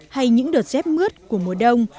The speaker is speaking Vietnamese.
hay những đợt dép mướt của mùa đông